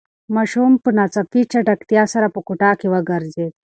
ماشوم په ناڅاپي چټکتیا سره په کوټه کې وگرځېد.